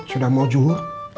sudah mau juhur